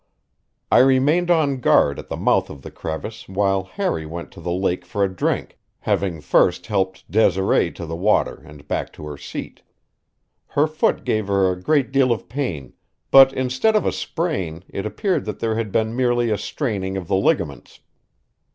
I remained on guard at the mouth of the crevice while Harry went to the lake for a drink, having first helped Desiree to the water and back to her seat. Her foot gave her a great deal of pain, but instead of a sprain it appeared that there had been merely a straining of the ligaments.